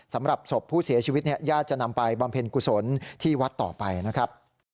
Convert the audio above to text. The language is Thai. สำหรับศพผู้เสียชีวิตเนี่ยญาติจะนำไปบำเพ็ญกุศลที่วัดต่อไปนะครับ